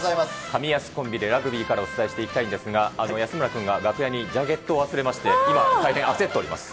上安コンビで、ラグビーからお伝えしていきたいんですが、安村君が楽屋にジャケットを忘れまして、今、大変焦っております。